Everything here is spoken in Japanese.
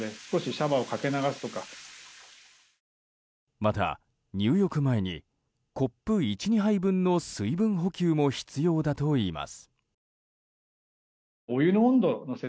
また入浴前にコップ１２杯分の水分補給も必要だといいます。